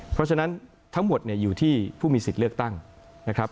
เพราะฉะนั้นทั้งหมดเนี่ยอยู่ที่ผู้มีสิทธิ์เลือกตั้งนะครับ